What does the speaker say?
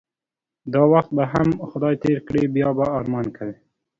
دا وخت به هم خدای تیر کړی بیا به ارمان کوی